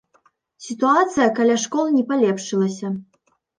Сітуацыя каля школ не палепшылася.